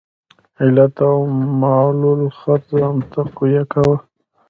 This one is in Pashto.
علت او معلول څرخ ځان تقویه کاوه.